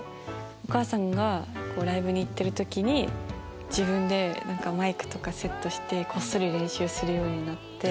お母さんがライブに行ってる時に自分でマイクとかセットしてこっそり練習するようになって。